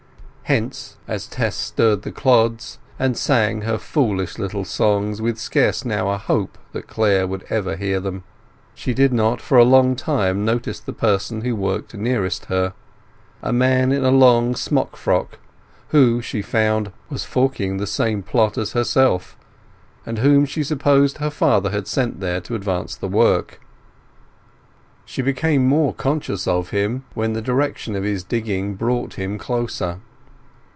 Hence as Tess stirred the clods and sang her foolish little songs with scarce now a hope that Clare would ever hear them, she did not for a long time notice the person who worked nearest to her—a man in a long smockfrock who, she found, was forking the same plot as herself, and whom she supposed her father had sent there to advance the work. She became more conscious of him when the direction of his digging brought him closer.